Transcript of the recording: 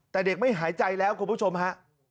แต่เด็กไม่หายใจแล้วคุณผู้ชมฮะ